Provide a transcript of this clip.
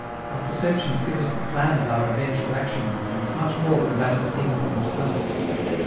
Our perceptions give us the plan of our eventual action on things much more than that of things themselves.